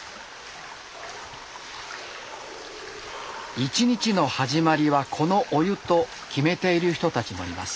「一日の始まりはこのお湯」と決めている人たちもいます。